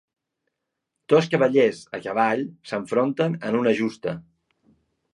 Dos cavallers a cavall s'enfronten en una justa.